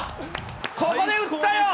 そこで打ったよ！